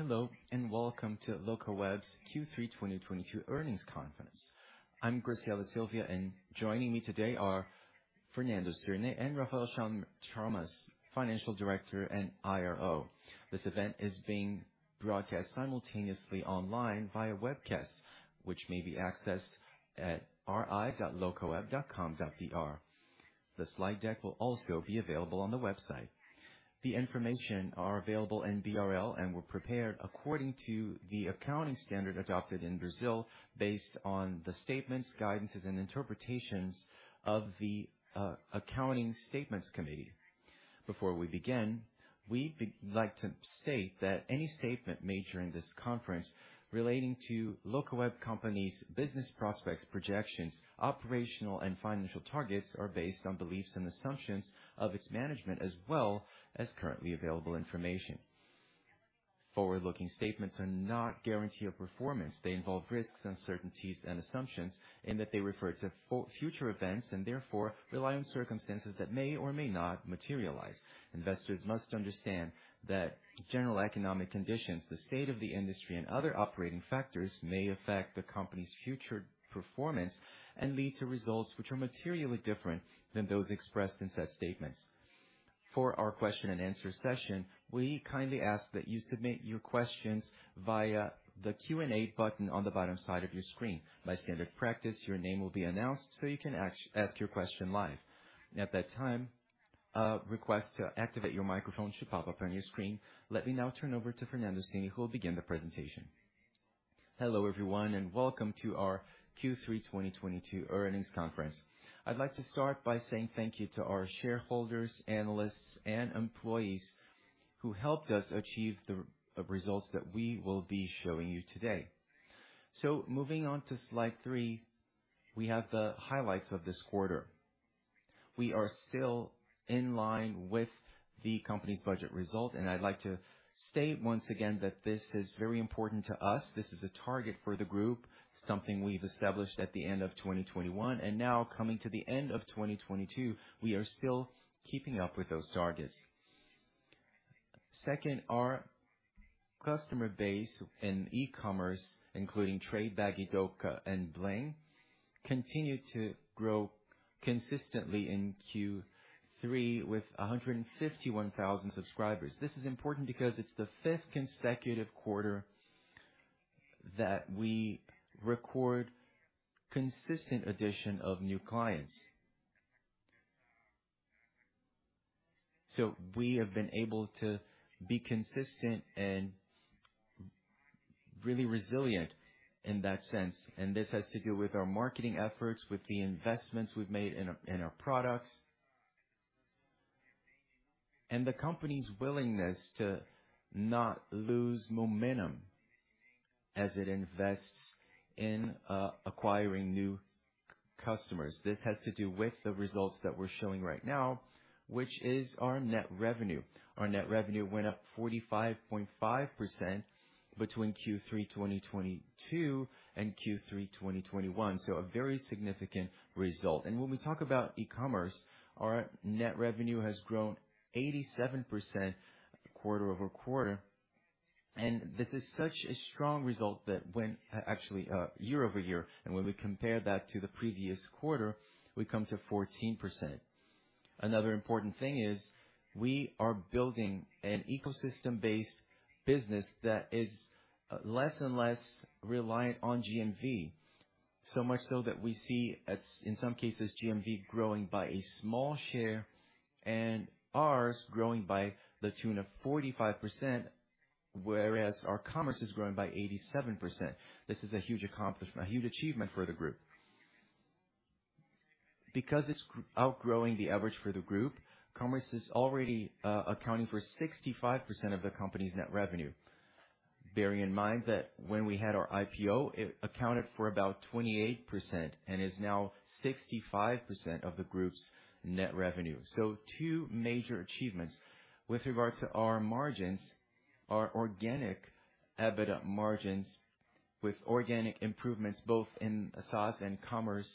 Hello, and welcome to Locaweb's Q3 2022 earnings conference. I'm Graciela Silva, and joining me today are Fernando Cirne and Rafael Chamas, financial director and IRO. This event is being broadcast simultaneously online via webcast, which may be accessed at ri.locaweb.com.br. The slide deck will also be available on the website. The information are available in BRL and were prepared according to the accounting standard adopted in Brazil based on the statements, guidances, and interpretations of the accounting statements committee. Before we begin, we'd like to state that any statement made during this conference relating to Locaweb Company's business prospects, projections, operational and financial targets are based on beliefs and assumptions of its management, as well as currently available information. Forward-looking statements are not guarantee of performance. They involve risks, uncertainties, and assumptions, and that they refer to future events and therefore rely on circumstances that may or may not materialize. Investors must understand that general economic conditions, the state of the industry, and other operating factors may affect the company's future performance and lead to results which are materially different than those expressed in said statements. For our question and answer session, we kindly ask that you submit your questions via the Q&A button on the bottom side of your screen. My standard practice, your name will be announced so you can ask your question live. At that time, a request to activate your microphone should pop up on your screen. Let me now turn over to Fernando Cirne, who will begin the presentation. Hello, everyone, and welcome to our Q3 2022 earnings conference. I'd like to start by saying thank you to our shareholders, analysts, and employees who helped us achieve the results that we will be showing you today. Moving on to slide 3, we have the highlights of this quarter. We are still in line with the company's budget result, and I'd like to state once again that this is very important to us. This is a target for the group, something we've established at the end of 2021. Now coming to the end of 2022, we are still keeping up with those targets. Second, our customer base in e-commerce, including Tray, Bagy, Dooca, and Bling, continue to grow consistently in Q3 with 151,000 subscribers. This is important because it's the fifth consecutive quarter that we record consistent addition of new clients. We have been able to be consistent and really resilient in that sense. This has to do with our marketing efforts, with the investments we've made in our products. The company's willingness to not lose momentum as it invests in acquiring new customers. This has to do with the results that we're showing right now, which is our net revenue. Our net revenue went up 45.5% between Q3 2022 and Q3 2021, so a very significant result. When we talk about e-commerce, our net revenue has grown 87% quarter-over-quarter. This is such a strong result that actually year-over-year, when we compare that to the previous quarter, we come to 14%. Another important thing is we are building an ecosystem-based business that is less and less reliant on GMV. Much so that we see in some cases, GMV growing by a small share and ours growing to the tune of 45%, whereas our commerce is growing by 87%. This is a huge accomplishment, a huge achievement for the group. Because it's outgrowing the average for the group, commerce is already accounting for 65% of the company's net revenue. Bearing in mind that when we had our IPO, it accounted for about 28% and is now 65% of the group's net revenue. Two major achievements. With regard to our margins, our organic EBITDA margins with organic improvements both in SaaS and commerce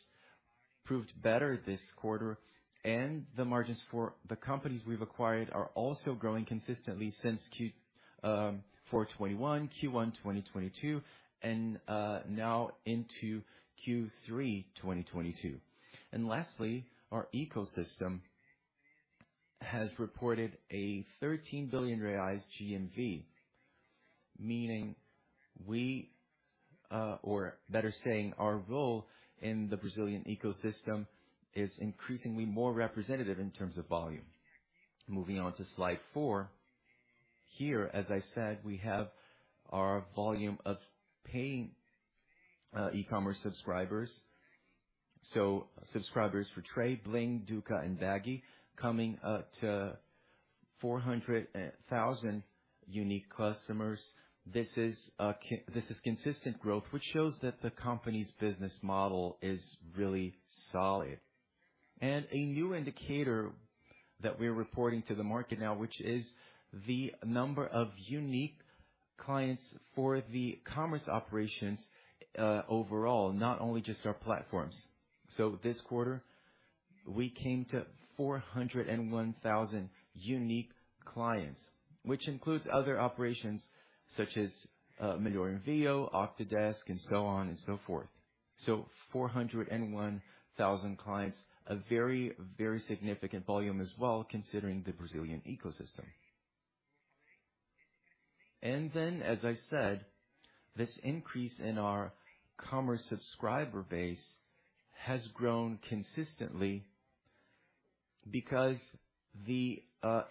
proved better this quarter, and the margins for the companies we've acquired are also growing consistently since Q4 2021, Q1 2022, and now into Q3 2022. Lastly, our ecosystem has reported 13 billion reais GMV, meaning we, or better saying, our role in the Brazilian ecosystem is increasingly more representative in terms of volume. Moving on to slide four. Here, as I said, we have our volume of paying e-commerce subscribers. Subscribers for Tray, Bling, Dooca, and Bagy coming up to 400,000 unique customers. This is consistent growth, which shows that the company's business model is really solid. A new indicator that we're reporting to the market now, which is the number of unique clients for the commerce operations overall, not only just our platforms. This quarter we came to 401,000 unique clients, which includes other operations such as Melhor Envio, Octadesk, and so on and so forth. 401,000 clients, a very, very significant volume as well, considering the Brazilian ecosystem. As I said, this increase in our commerce subscriber base has grown consistently because the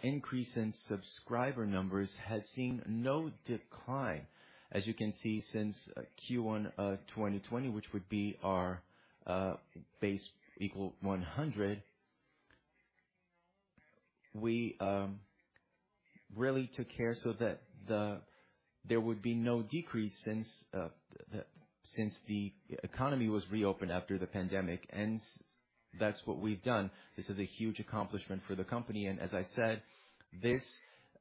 increase in subscriber numbers has seen no decline. As you can see, since Q1 2020, which would be our base equal 100. We really took care so that there would be no decrease since the economy was reopened after the pandemic, and that's what we've done. This is a huge accomplishment for the company, and as I said, this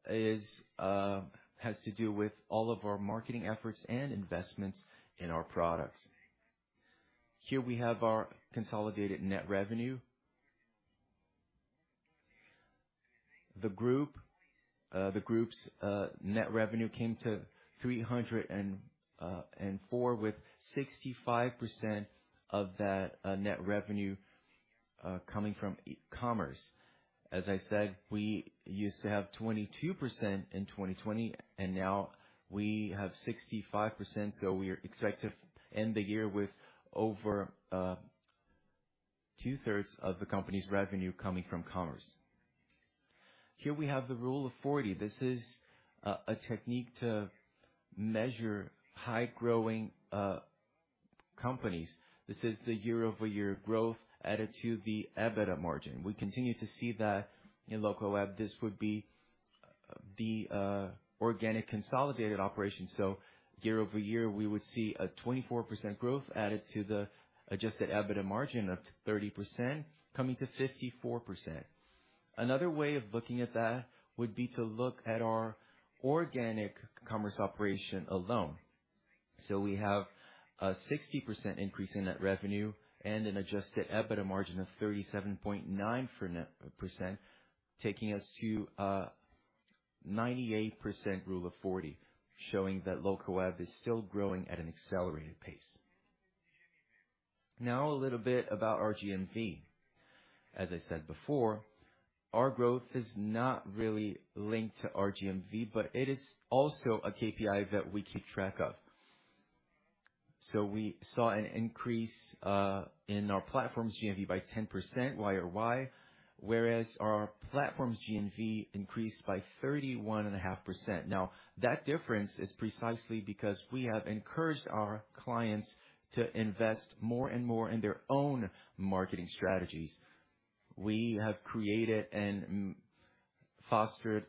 has to do with all of our marketing efforts and investments in our products. Here we have our consolidated net revenue. The group's net revenue came to 304, with 65% of that net revenue coming from e-commerce. As I said, we used to have 22% in 2020, and now we have 65%, so we expect to end the year with over two-thirds of the company's revenue coming from commerce. Here we have the Rule of 40. This is a technique to measure high growing companies. This is the year-over-year growth added to the EBITDA margin. We continue to see that in Locaweb. This would be the organic consolidated operation. So year-over-year, we would see a 24% growth added to the adjusted EBITDA margin of 30% coming to 54%. Another way of looking at that would be to look at our organic commerce operation alone. We have a 60% increase in net revenue and an adjusted EBITDA margin of 37.9%, taking us to a 98% Rule of 40, showing that Locaweb is still growing at an accelerated pace. Now a little bit about our GMV. As I said before, our growth is not really linked to our GMV, but it is also a KPI that we keep track of. We saw an increase in our platform's GMV by 10% YoY, whereas our platform's GMV increased by 31.5%. Now, that difference is precisely because we have encouraged our clients to invest more and more in their own marketing strategies. We have created and fostered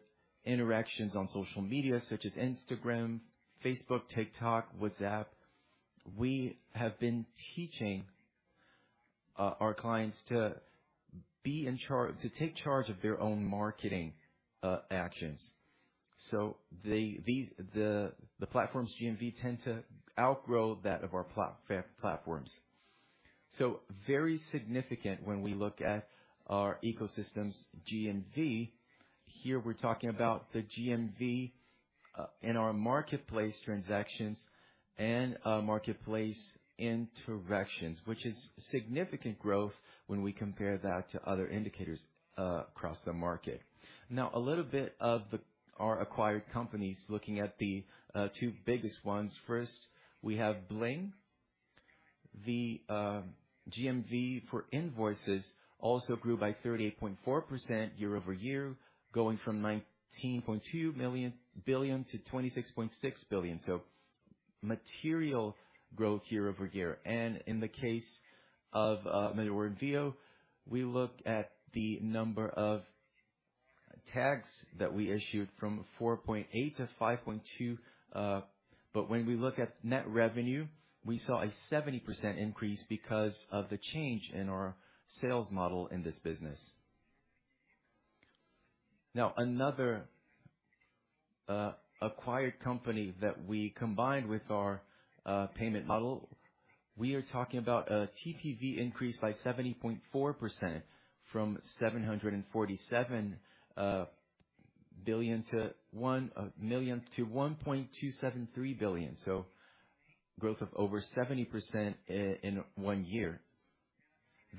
interactions on social media such as Instagram, Facebook, TikTok, WhatsApp. We have been teaching our clients to take charge of their own marketing actions. The platform's GMV tend to outgrow that of our platforms. Very significant when we look at our ecosystem's GMV. Here we're talking about the GMV in our marketplace transactions and marketplace interactions, which is significant growth when we compare that to other indicators across the market. Now, a little bit of our acquired companies looking at the two biggest ones. First, we have Bling. The GMV for invoices also grew by 38.4% year-over-year, going from 19.2 billion to 26.6 billion. Material growth year-over-year. In the case of Melhor Envio, we look at the number of tags that we issued from 4.8 to 5.2. When we look at net revenue, we saw a 70% increase because of the change in our sales model in this business. Now, another acquired company that we combined with our payment model. We are talking about a TPV increase by 70.4% from 747 million to 1.273 billion. Growth of over 70% in one year.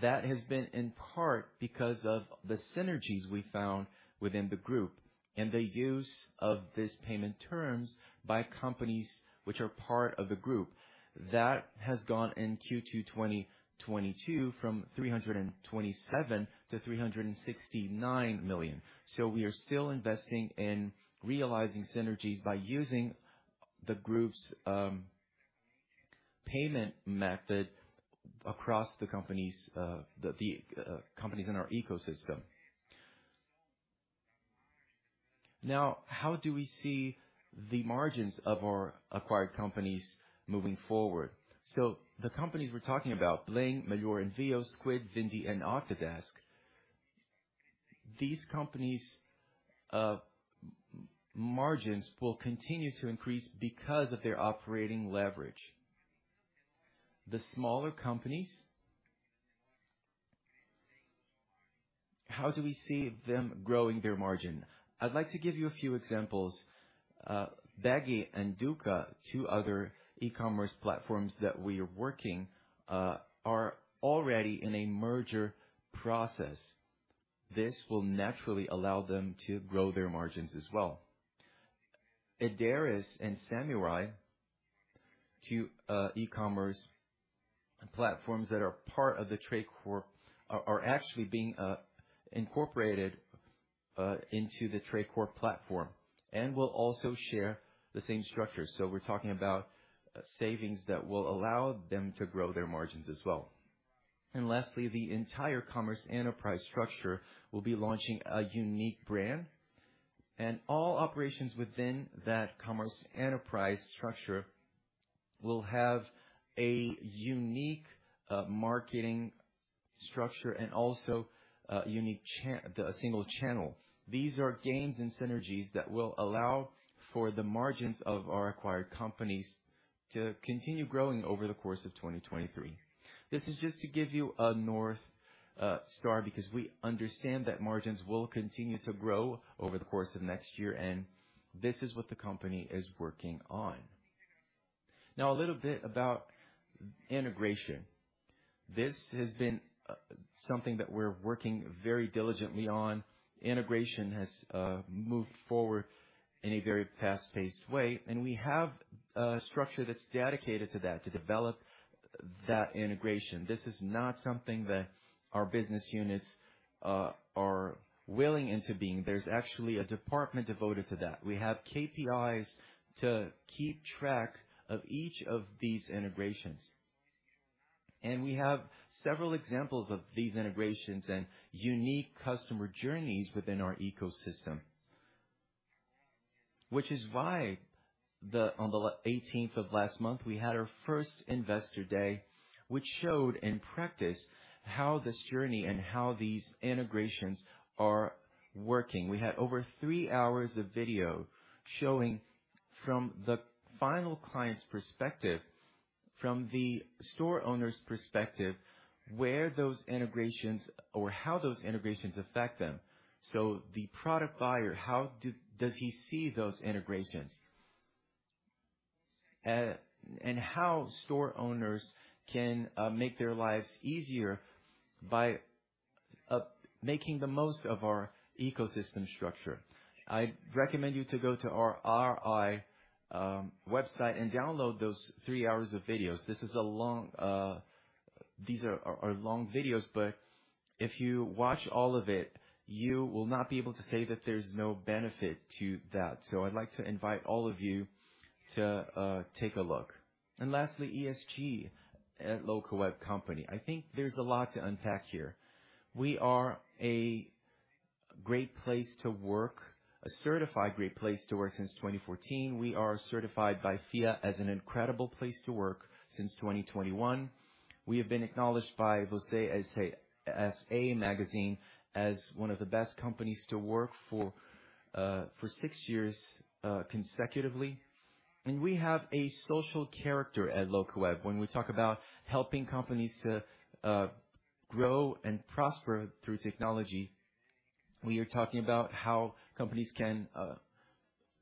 That has been in part because of the synergies we found within the group and the use of this payment terms by companies which are part of the group. That has gone in Q2 2022 from 327 million to 369 million. We are still investing in realizing synergies by using the group's payment method across the companies in our ecosystem. Now, how do we see the margins of our acquired companies moving forward? The companies we're talking about, Bling, Melhor Envio, Squid, Vindi, and Octadesk. These companies' margins will continue to increase because of their operating leverage. The smaller companies, how do we see them growing their margin? I'd like to give you a few examples. Bagy and Dooca, two other e-commerce platforms that we are working are already in a merger process. This will naturally allow them to grow their margins as well. Etus and Samurai, two e-commerce platforms that are part of the Tray Corp are actually being incorporated into the Tray Corp platform and will also share the same structure. We're talking about savings that will allow them to grow their margins as well. Lastly, the entire Commerce Enterprise structure will be launching a unique brand, and all operations within that Commerce Enterprise structure will have a unique marketing structure and also a unique the single channel. These are gains and synergies that will allow for the margins of our acquired companies to continue growing over the course of 2023. This is just to give you a north star, because we understand that margins will continue to grow over the course of next year, and this is what the company is working on. Now, a little bit about integration. This has been something that we're working very diligently on. Integration has moved forward in a very fast-paced way, and we have a structure that's dedicated to that, to develop that integration. This is not something that our business units are willing into being. There's actually a department devoted to that. We have KPIs to keep track of each of these integrations. We have several examples of these integrations and unique customer journeys within our ecosystem. Which is why on the eighteenth of last month, we had our first Investor Day, which showed in practice how this journey and how these integrations are working. We had over three hours of video showing from the final client's perspective, from the store owner's perspective, where those integrations, or how those integrations, affect them. The product buyer, how does he see those integrations, and how store owners can make their lives easier by making the most of our ecosystem structure. I recommend you to go to our RI website and download those three hours of videos. These are long videos, but if you watch all of it, you will not be able to say that there's no benefit to that. I'd like to invite all of you to take a look. Lastly, ESG at Locaweb Company. I think there's a lot to unpack here. We are a great place to work, a certified great place to work since 2014. We are certified by FIA as an incredible place to work since 2021. We have been acknowledged by Você S/A magazine as one of the best companies to work for for 6 years consecutively. We have a social character at Locaweb. When we talk about helping companies to grow and prosper through technology, we are talking about how companies can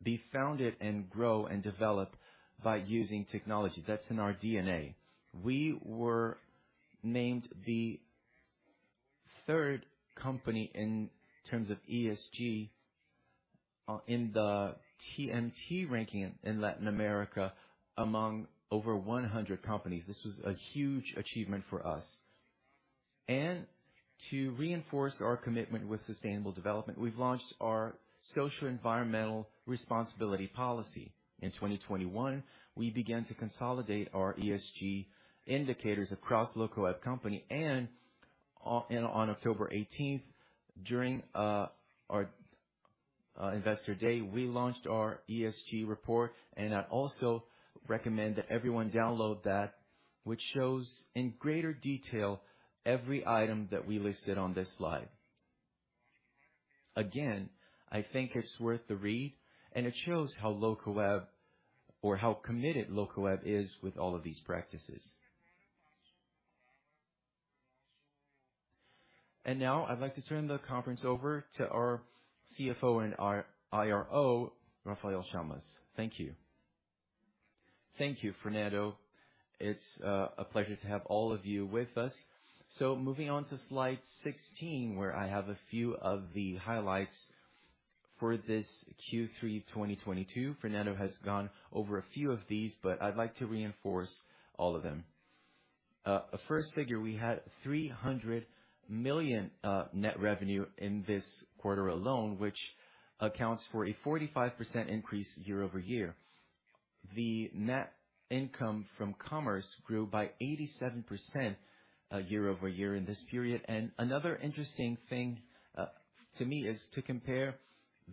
be founded and grow and develop by using technology. That's in our DNA. We were named the third company in terms of ESG in the TMT ranking in Latin America among over 100 companies. This was a huge achievement for us. To reinforce our commitment with sustainable development, we've launched our social environmental responsibility policy. In 2021, we began to consolidate our ESG indicators across Locaweb Company. On October 18, during our investor day, we launched our ESG report, and I also recommend that everyone download that, which shows in greater detail every item that we listed on this slide. Again, I think it's worth the read, and it shows how Locaweb or how committed Locaweb is with all of these practices. Now I'd like to turn the conference over to our CFO and our IRO, Rafael Chamas. Thank you. Thank you, Fernando. It's a pleasure to have all of you with us. Moving on to slide 16, where I have a few of the highlights for this Q3 2022. Fernando has gone over a few of these, but I'd like to reinforce all of them. First figure, we had 300 million net revenue in this quarter alone, which accounts for a 45% increase year-over-year. The net income from commerce grew by 87% year-over-year in this period. Another interesting thing to me is to compare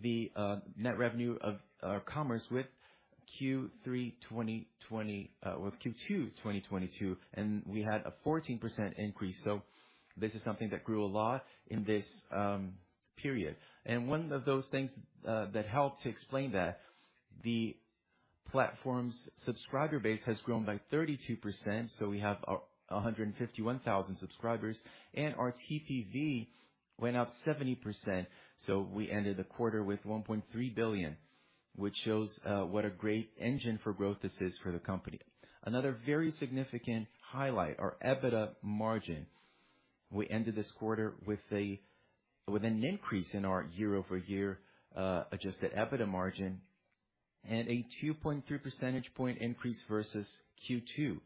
the net revenue of our commerce with Q3 2020 or Q2 2022, and we had a 14% increase. This is something that grew a lot in this period. One of those things that helped to explain that, the platform's subscriber base has grown by 32%. We have 151,000 subscribers, and our TPV went up 70%. We ended the quarter with 1.3 billion, which shows what a great engine for growth this is for the company. Another very significant highlight, our EBITDA margin. We ended this quarter with an increase in our year-over-year adjusted EBITDA margin and a 2.3 percentage point increase versus Q2.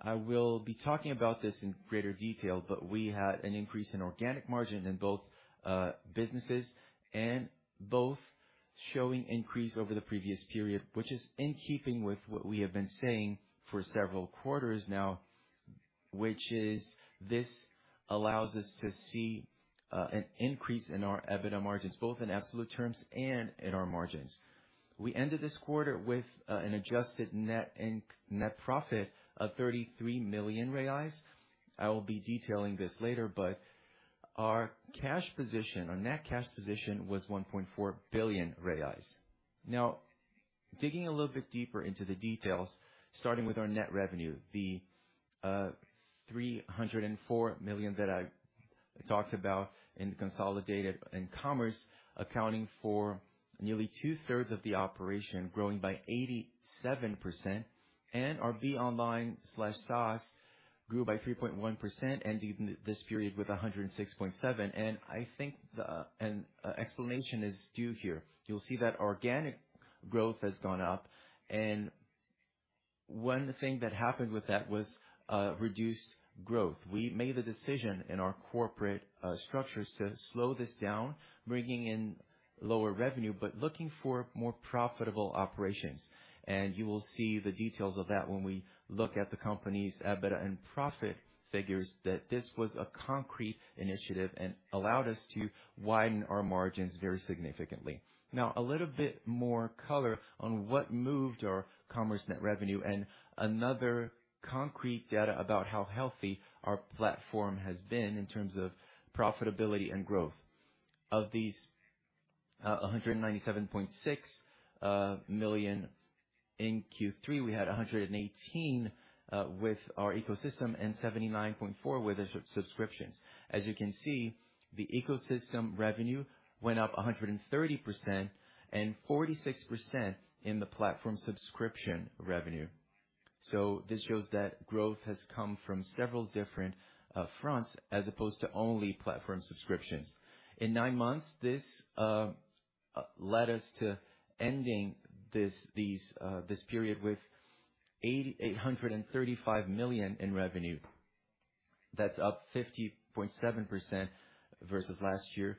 I will be talking about this in greater detail, but we had an increase in organic margin in both businesses and both showing increase over the previous period, which is in keeping with what we have been saying for several quarters now, which is this allows us to see an increase in our EBITDA margins, both in absolute terms and in our margins. We ended this quarter with an adjusted net profit of 33 million reais. I will be detailing this later, but our cash position, our net cash position was 1.4 billion reais. Now, digging a little bit deeper into the details, starting with our net revenue, the 304 million that I talked about in consolidated and Commerce accounting for nearly two-thirds of the operation, growing by 87%. Our BeOnline/SaaS grew by 3.1%, ending this period with 106.7 million. I think an explanation is due here. You'll see that organic growth has gone up. One thing that happened with that was reduced growth. We made the decision in our corporate structures to slow this down, bringing in lower revenue, but looking for more profitable operations. You will see the details of that when we look at the company's EBITDA and profit figures, that this was a concrete initiative and allowed us to widen our margins very significantly. Now, a little bit more color on what moved our commerce net revenue and another concrete data about how healthy our platform has been in terms of profitability and growth. Of these, 197.6 million in Q3, we had 118 million with our ecosystem and 79.4 million with the subscriptions. As you can see, the ecosystem revenue went up 130% and 46% in the platform subscription revenue. This shows that growth has come from several different fronts as opposed to only platform subscriptions. In nine months, this led us to ending this period with 8,835 million in revenue. That's up 50.7% versus last year.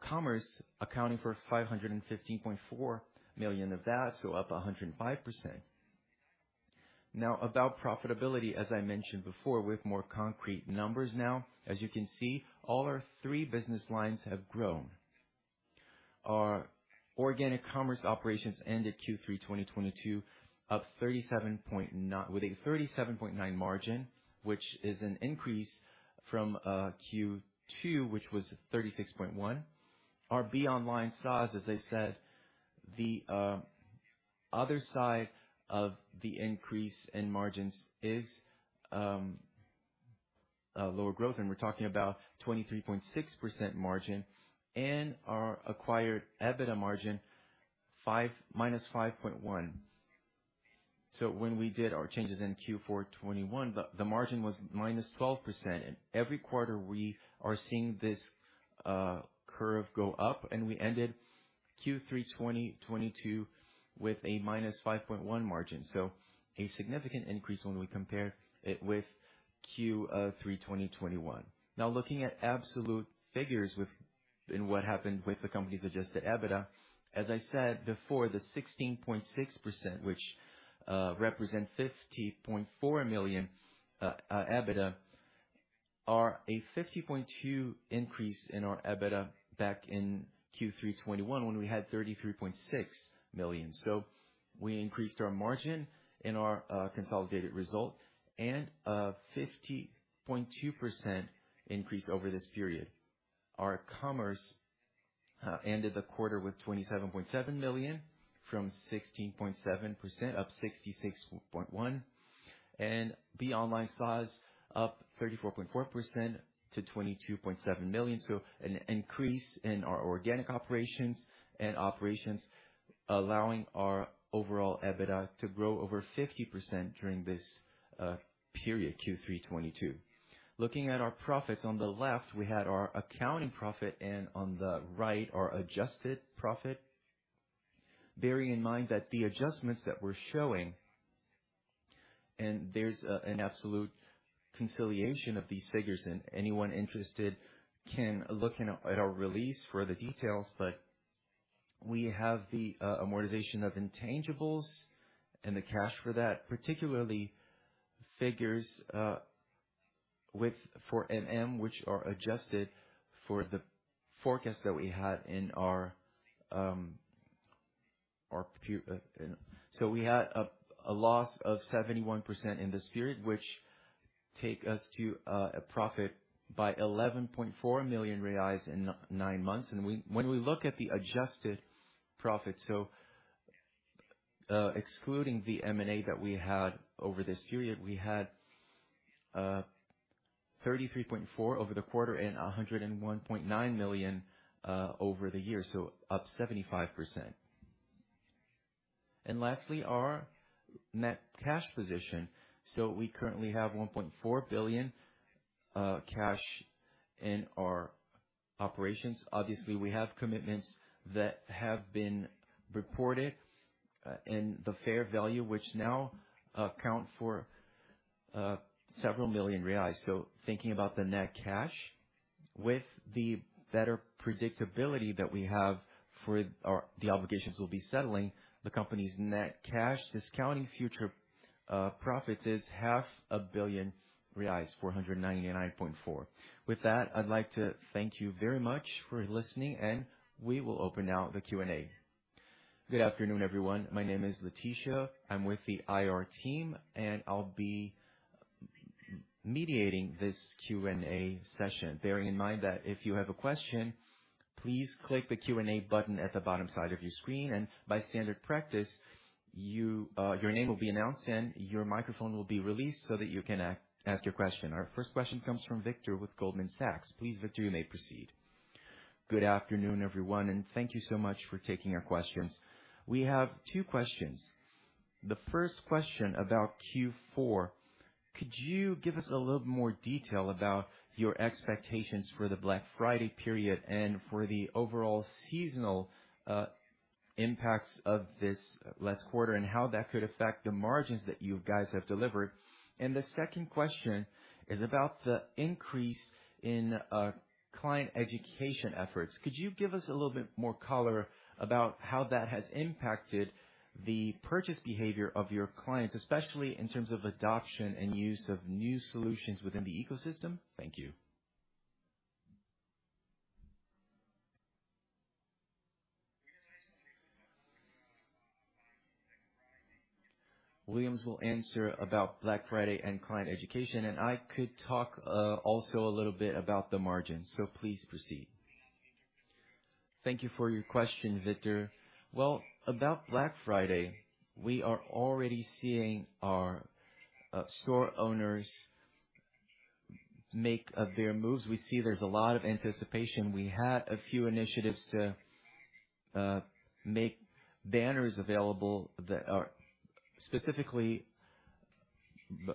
Commerce accounting for 515.4 million of that, so up 105%. Now, about profitability, as I mentioned before, with more concrete numbers now, as you can see, all our three business lines have grown. Our organic commerce operations ended Q3 2022 with a 37.9% margin, which is an increase from Q2, which was 36.1%. Our BeOnline SaaS, as I said, the other side of the increase in margins is lower growth, and we're talking about 23.6% margin and our acquired EBITDA margin minus 5.1%. When we did our changes in Q4 2021, the margin was -12%. Every quarter, we are seeing this curve go up, and we ended Q3 2022 with a -5.1% margin. A significant increase when we compare it with Q3 2021. Now looking at absolute figures in what happened with the company's adjusted EBITDA, as I said before, the 16.6%, which represents 50.4 million EBITDA, are a 50.2% increase in our EBITDA back in Q3 2021 when we had 33.6 million. We increased our margin in our consolidated result and a 50.2% increase over this period. Our commerce ended the quarter with 27.7 million from 16.7 million, up 66.1%. BeOnline SaaS up 34.4% to 22.7 million. An increase in our organic operations and operations allowing our overall EBITDA to grow over 50% during this period Q3 2022. Looking at our profits on the left, we had our accounting profit and on the right, our adjusted profit. Bearing in mind that the adjustments that we're showing, and there's an absolute reconciliation of these figures, and anyone interested can look in at our release for the details. We have the amortization of intangibles and the cash for that, particularly figures with 4 million, which are adjusted for the forecast that we had in our. We had a loss of 71% in this period, which take us to a profit by 11.4 million reais in 9 months. When we look at the adjusted profit, so, excluding the M&A that we had over this period, we had 33.4 million over the quarter and 101.9 million over the year, up 75%. Lastly, our net cash position. We currently have 1.4 billion cash in our operations. Obviously, we have commitments that have been reported in the fair value, which now account for several million BRL. Thinking about the net cash with the better predictability that we have for the obligations we'll be settling, the company's net cash discounting future profits is half a billion BRL, 499.4. With that, I'd like to thank you very much for listening, and we will open now the Q&A. Good afternoon, everyone. My name is Leticia. I'm with the IR team, and I'll be mediating this Q&A session. Bearing in mind that if you have a question, please click the Q&A button at the bottom side of your screen. By standard practice, your name will be announced, and your microphone will be released so that you can ask your question. Our first question comes from Victor with Goldman Sachs. Please, Victor, you may proceed. Good afternoon, everyone, and thank you so much for taking our questions. We have two questions. The first question about Q4. Could you give us a little more detail about your expectations for the Black Friday period and for the overall seasonal impacts of this last quarter, and how that could affect the margins that you guys have delivered? The second question is about the increase in client education efforts. Could you give us a little bit more color about how that has impacted the purchase behavior of your clients, especially in terms of adoption and use of new solutions within the ecosystem? Thank you. Willians will answer about Black Friday and client education, and I could talk also a little bit about the margins. Please proceed. Thank you for your question, Victor. Well, about Black Friday, we are already seeing our store owners make their moves. We see there's a lot of anticipation. We had a few initiatives to make banners available that are specifically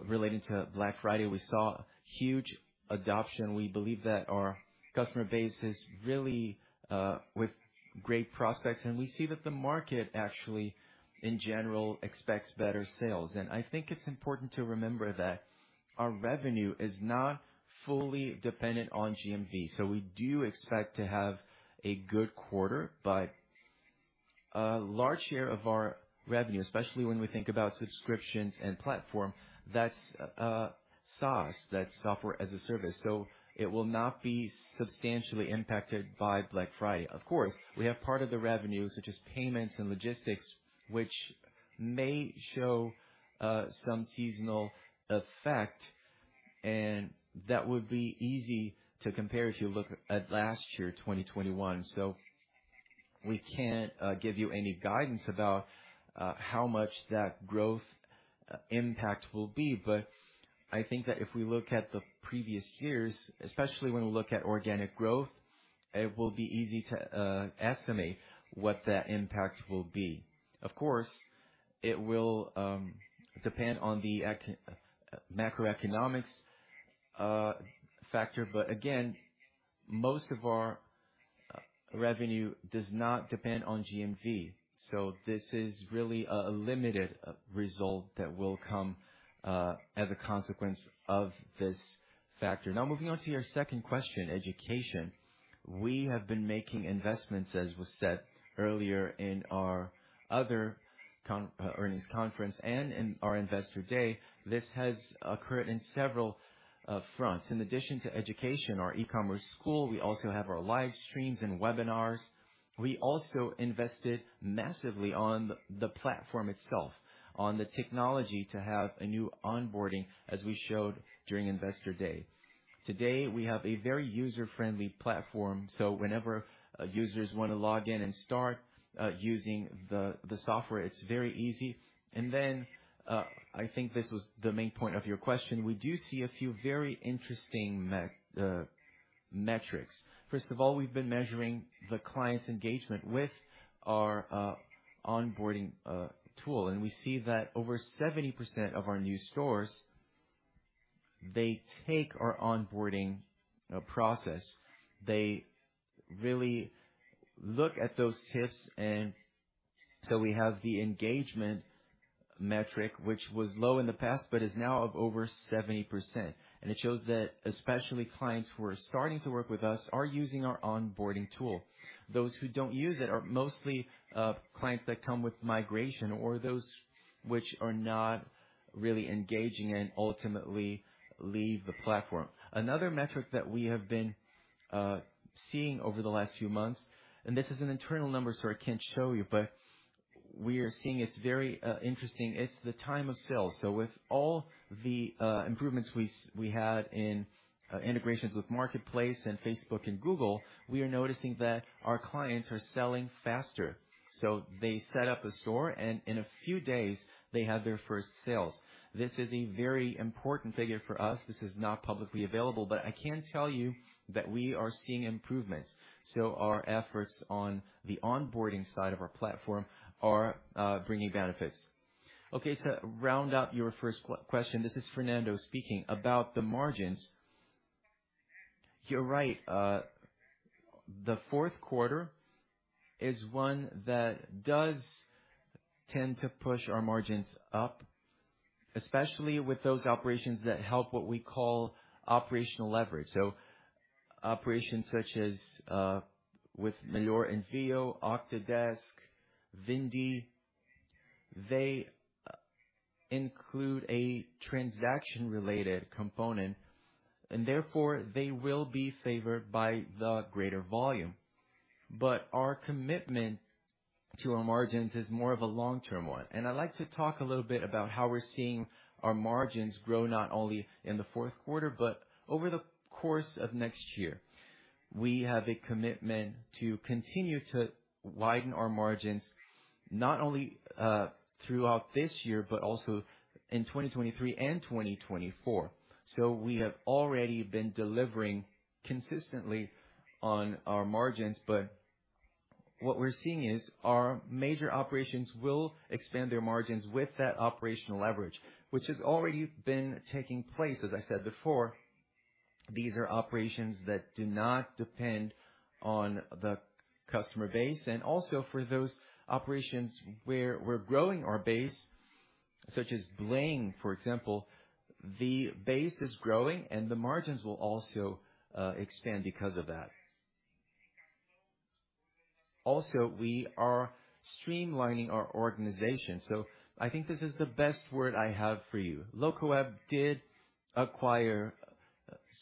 relating to Black Friday. We saw huge adoption. We believe that our customer base is really with great prospects, and we see that the market actually, in general, expects better sales. I think it's important to remember that our revenue is not fully dependent on GMV. We do expect to have a good quarter. A large share of our revenue, especially when we think about subscriptions and platform, that's SaaS. That's software as a service, so it will not be substantially impacted by Black Friday. Of course, we have part of the revenue, such as payments and logistics, which may show some seasonal effect, and that would be easy to compare if you look at last year's 2021. We can't give you any guidance about how much that growth impact will be. I think that if we look at the previous years, especially when we look at organic growth, it will be easy to estimate what that impact will be. Of course, it will depend on the macroeconomics factor, but again, most of our revenue does not depend on GMV. This is really a limited result that will come as a consequence of this factor. Now, moving on to your second question, education. We have been making investments, as was said earlier in our other earnings conference and in our Investor Day. This has occurred in several fronts. In addition to education, our e-commerce school, we also have our live streams and webinars. We also invested massively on the platform itself, on the technology to have a new onboarding, as we showed during Investor Day. Today, we have a very user-friendly platform, so whenever users wanna log in and start using the software, it's very easy. I think this was the main point of your question. We do see a few very interesting metrics. First of all, we've been measuring the client's engagement with our onboarding tool. We see that over 70% of our new stores, they take our onboarding process. They really look at those tips and so we have the engagement metric, which was low in the past but is now of over 70%. It shows that especially clients who are starting to work with us are using our onboarding tool. Those who don't use it are mostly clients that come with migration or those which are not really engaging and ultimately leave the platform. Another metric that we have been seeing over the last few months, and this is an internal number, so I can't show you, but we are seeing it's very interesting. It's the time of sale. With all the improvements we had in integrations with Marketplace and Facebook and Google, we are noticing that our clients are selling faster. They set up a store, and in a few days, they have their first sales. This is a very important figure for us. This is not publicly available, but I can tell you that we are seeing improvements. Our efforts on the onboarding side of our platform are bringing benefits. Okay, to round out your first question, this is Fernando speaking. About the margins, you're right. The fourth quarter is one that does tend to push our margins up, especially with those operations that help what we call operational leverage. Operations such as with Melhor Envio, Octadesk, Vindi, they include a transaction-related component, and therefore, they will be favored by the greater volume. Our commitment to our margins is more of a long-term one. I'd like to talk a little bit about how we're seeing our margins grow, not only in the fourth quarter but over the course of next year. We have a commitment to continue to widen our margins, not only throughout this year but also in 2023 and 2024. We have already been delivering consistently on our margins, but what we're seeing is our major operations will expand their margins with that operational leverage, which has already been taking place. As I said before, these are operations that do not depend on the customer base, and also for those operations where we're growing our base, such as Bling, for example, the base is growing, and the margins will also expand because of that. Also, we are streamlining our organization. I think this is the best word I have for you. Locaweb did acquire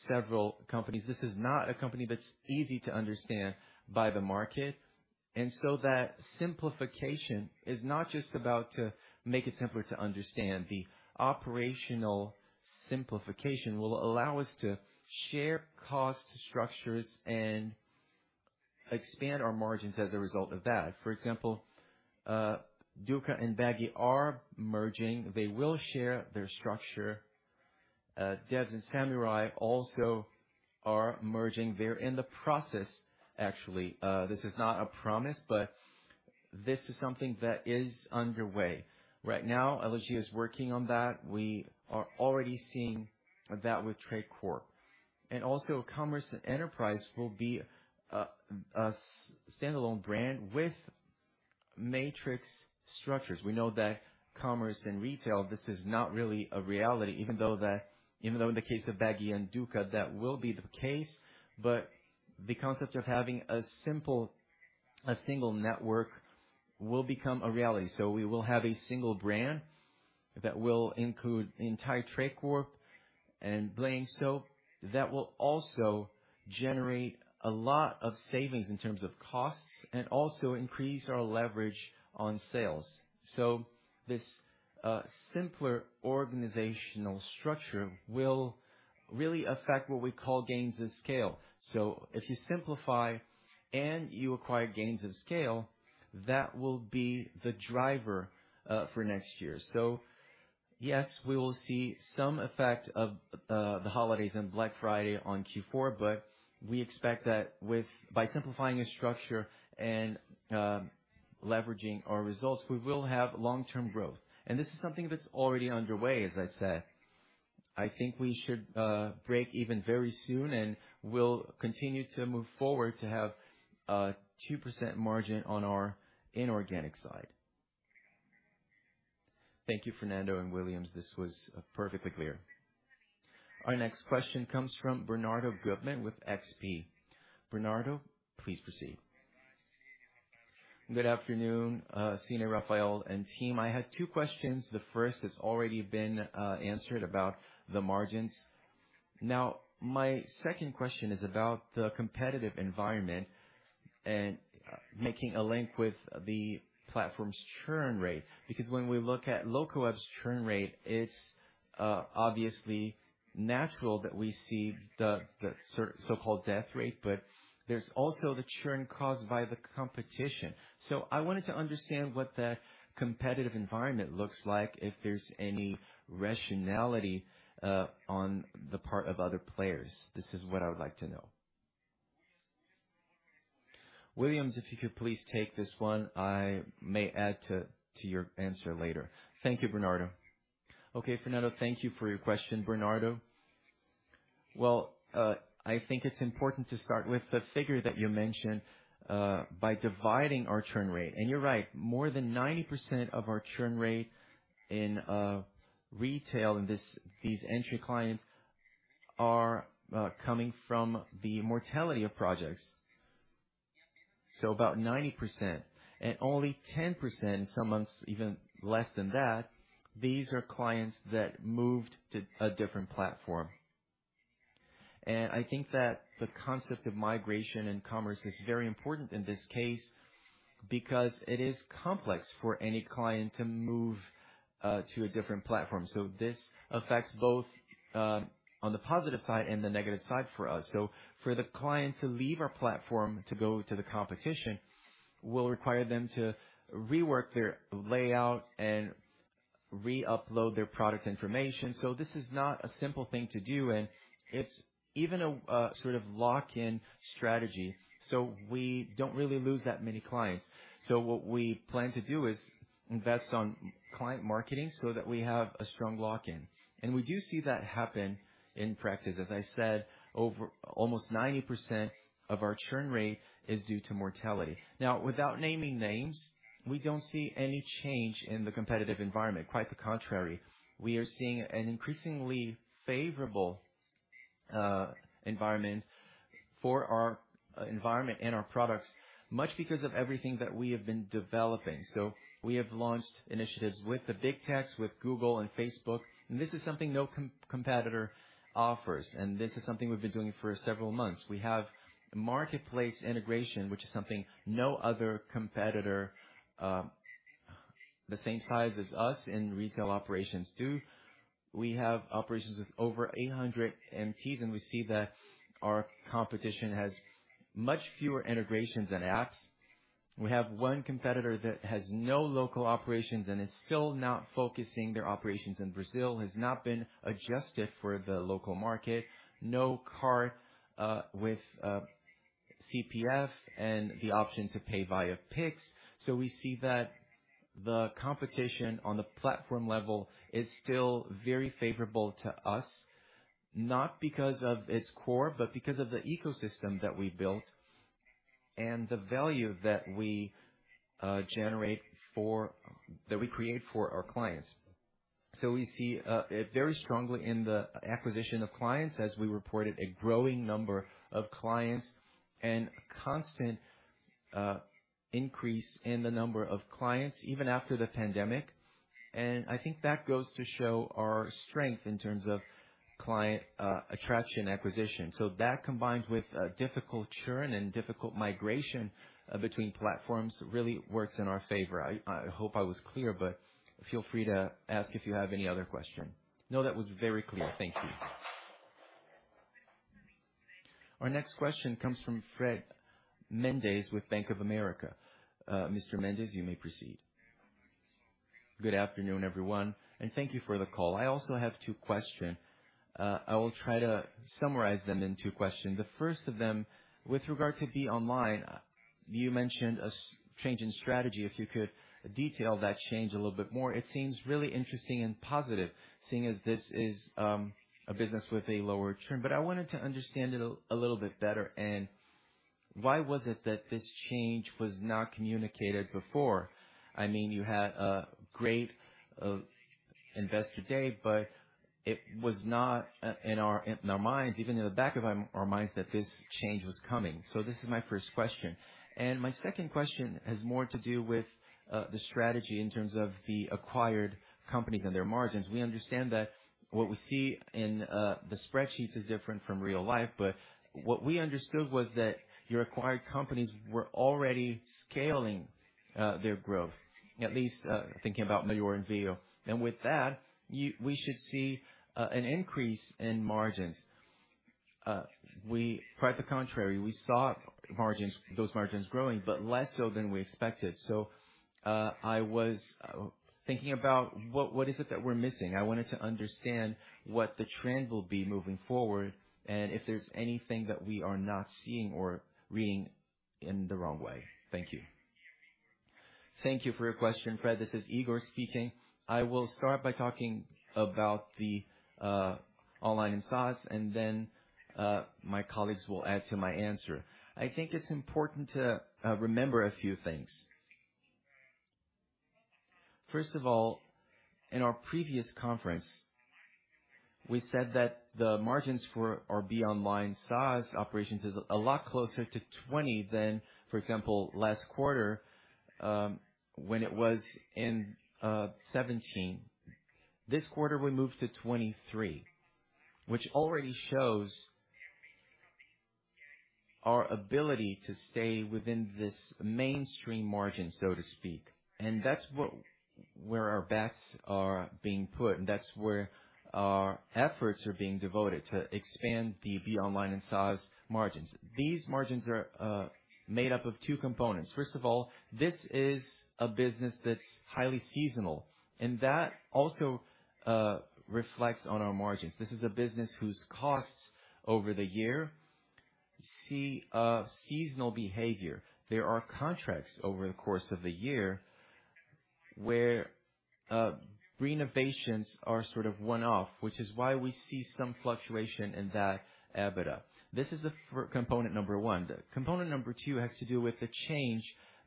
several companies. This is not a company that's easy to understand by the market. That simplification is not just about to make it simpler to understand. The operational simplification will allow us to share cost structures and expand our margins as a result of that. For example, Dooca and Bagy are merging. They will share their structure. Devs and Samurai also are merging. They're in the process, actually. This is not a promise, but this is something that is underway. Right now, LG is working on that. We are already seeing that with Tray Corp. Commerce Enterprise will be a standalone brand with matrix structures. We know that commerce and retail, this is not really a reality, even though in the case of Bagy and Dooca, that will be the case. The concept of having a single network will become a reality. We will have a single brand that will include the entire Tray Corp and Bling. That will also generate a lot of savings in terms of costs and also increase our leverage on sales. This simpler organizational structure will really affect what we call economies of scale. If you simplify and you acquire economies of scale, that will be the driver for next year. Yes, we will see some effect of the holidays and Black Friday on Q4, but we expect that by simplifying a structure and leveraging our results, we will have long-term growth. This is something that's already underway, as I said. I think we should break even very soon, and we'll continue to move forward to have a 2% margin on our inorganic side. Thank you, Fernando and Willians. This was perfectly clear. Our next question comes from Bernardo Guttmann with XP. Bernardo, please proceed. Good afternoon, Senhor Rafael and team. I had two questions. The first has already been answered about the margins. Now, my second question is about the competitive environment and making a link with the platform's churn rate. Because when we look at Locaweb's churn rate, it's obviously natural that we see the so-called death rate, but there's also the churn caused by the competition. So I wanted to understand what that competitive environment looks like, if there's any rationality on the part of other players. This is what I would like to know. Willians, if you could please take this one, I may add to your answer later. Thank you, Bernardo. Okay, Fernando, thank you for your question, Bernardo. Well, I think it's important to start with the figure that you mentioned, by dividing our churn rate. You're right, more than 90% of our churn rate in retail, in these entry clients are coming from the mortality of projects. About 90% and only 10%, some months even less than that. These are clients that moved to a different platform. I think that the concept of migration and commerce is very important in this case because it is complex for any client to move to a different platform. This affects both, on the positive side and the negative side for us. For the client to leave our platform to go to the competition, will require them to rework their layout and re-upload their product information. This is not a simple thing to do, and it's even a sort of lock-in strategy. We don't really lose that many clients. What we plan to do is invest on m-client marketing so that we have a strong lock in. We do see that happen in practice. As I said, over almost 90% of our churn rate is due to mortality. Now, without naming names, we don't see any change in the competitive environment. Quite the contrary, we are seeing an increasingly favorable environment for our environment and our products, much because of everything that we have been developing. We have launched initiatives with the big techs, with Google and Facebook, and this is something no competitor offers, and this is something we've been doing for several months. We have marketplace integration, which is something no other competitor the same size as us in retail operations do. We have operations with over 800 MTs, and we see that our competition has much fewer integrations and apps. We have one competitor that has no local operations and is still not focusing their operations in Brazil, has not been adjusted for the local market. No cart with CPF and the option to pay via Pix. We see that the competition on the platform level is still very favorable to us, not because of its core, but because of the ecosystem that we built and the value that we create for our clients. We see it very strongly in the acquisition of clients as we reported a growing number of clients and constant increase in the number of clients even after the pandemic. I think that goes to show our strength in terms of client attraction acquisition. That combined with difficult churn and difficult migration between platforms really works in our favor. I hope I was clear, but feel free to ask if you have any other question. No, that was very clear. Thank you. Our next question comes from Fred Mendes with Bank of America. Mr. Mendes, you may proceed. Good afternoon, everyone, and thank you for the call. I also have two questions. I will try to summarize them in two questions. The first of them, with regard to BeOnline, you mentioned a change in strategy. If you could detail that change a little bit more. It seems really interesting and positive seeing as this is a business with a lower churn. I wanted to understand it a little bit better. Why was it that this change was not communicated before? I mean, you had a great investor day, but it was not in our minds, even in the back of our minds, that this change was coming. This is my first question. My second question has more to do with the strategy in terms of the acquired companies and their margins. We understand that what we see in the spreadsheets is different from real life. What we understood was that your acquired companies were already scaling their growth. At least thinking about Melhor and Vindi. With that, we should see an increase in margins. Quite the contrary, we saw margins, those margins growing, but less so than we expected. I was thinking about what is it that we're missing. I wanted to understand what the trend will be moving forward and if there's anything that we are not seeing or reading in the wrong way. Thank you. Thank you for your question, Fred. This is Higor speaking. I will start by talking about the online and SaaS, and then my colleagues will add to my answer. I think it's important to remember a few things. First of all, in our previous conference, we said that the margins for our BeOnline SaaS operations is a lot closer to 20% than, for example, last quarter, when it was in 17%. This quarter, we moved to 23%, which already shows our ability to stay within this mainstream margin, so to speak. That's where our bets are being put, and that's where our efforts are being devoted to expand the BeOnline and SaaS margins. These margins are made up of two components. First of all, this is a business that's highly seasonal, and that also reflects on our margins. This is a business whose costs over the year see a seasonal behavior. There are contracts over the course of the year where renovations are sort of one-off, which is why we see some fluctuation in that EBITDA. This is the first component number one. Component number two has to do with the change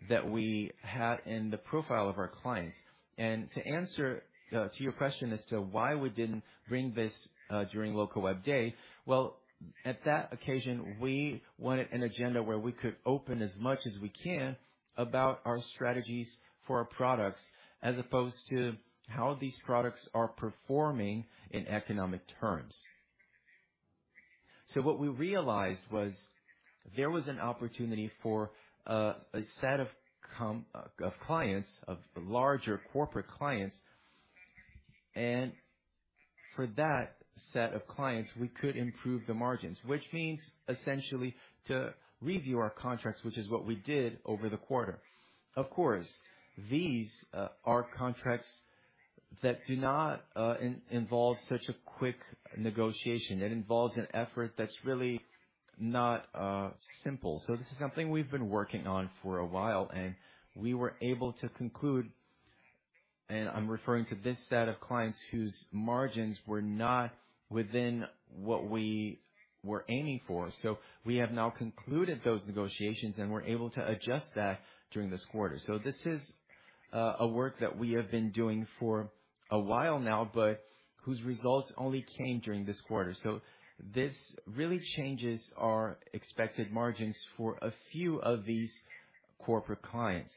that we had in the profile of our clients. To answer to your question as to why we didn't bring this during Locaweb Day, well, at that occasion, we wanted an agenda where we could open as much as we can about our strategies for our products, as opposed to how these products are performing in economic terms. What we realized was there was an opportunity for a set of clients, of larger corporate clients. For that set of clients, we could improve the margins, which means essentially to review our contracts, which is what we did over the quarter. Of course, these are contracts that do not involve such a quick negotiation. It involves an effort that's really not simple. This is something we've been working on for a while, and we were able to conclude, and I'm referring to this set of clients whose margins were not within what we were aiming for. We have now concluded those negotiations, and we're able to adjust that during this quarter. This is a work that we have been doing for a while now, but whose results only came during this quarter. This really changes our expected margins for a few of these corporate clients.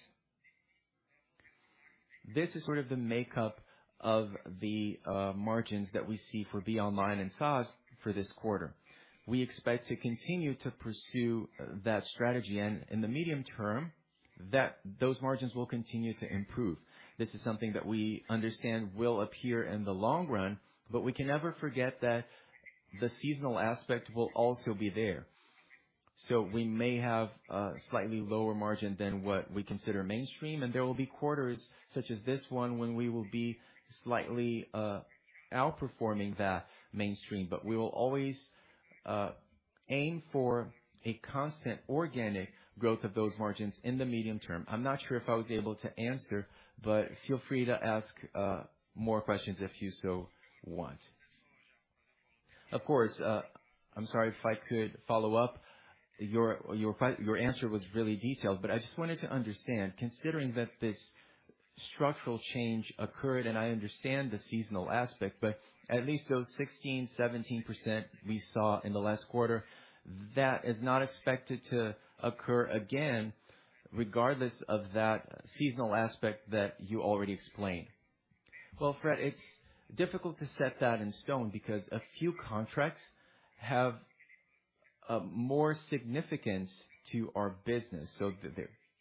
This is sort of the makeup of the margins that we see for BeOnline and SaaS for this quarter. We expect to continue to pursue that strategy and in the medium term, that those margins will continue to improve. This is something that we understand will appear in the long run, but we can never forget that the seasonal aspect will also be there. We may have a slightly lower margin than what we consider mainstream, and there will be quarters such as this one when we will be slightly outperforming that mainstream. We will always aim for a constant organic growth of those margins in the medium term. I'm not sure if I was able to answer, but feel free to ask more questions if you so want. Of course. I'm sorry, if I could follow up. Your answer was really detailed, but I just wanted to understand, considering that this structural change occurred, and I understand the seasonal aspect, but at least those 16%-17% we saw in the last quarter, that is not expected to occur again, regardless of that seasonal aspect that you already explained. Well, Fred, it's difficult to set that in stone because a few contracts have more significance to our business, so